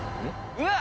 うわっ！